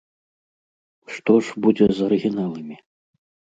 Што ж будзе з арыгіналамі?